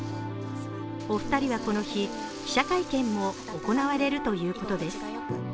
お二人はこの日、記者会見を行われるということです。